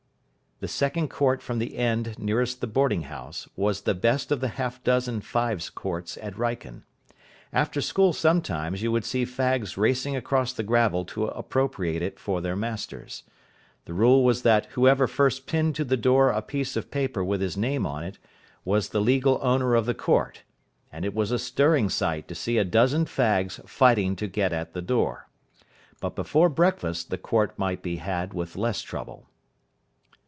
The second court from the end nearest the boarding house was the best of the half dozen fives courts at Wrykyn. After school sometimes you would see fags racing across the gravel to appropriate it for their masters. The rule was that whoever first pinned to the door a piece of paper with his name on it was the legal owner of the court and it was a stirring sight to see a dozen fags fighting to get at the door. But before breakfast the court might be had with less trouble.